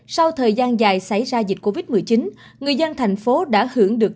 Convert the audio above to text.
sau thời gian dài xảy ra dịch covid một mươi chín người dân thành phố đã hưởng được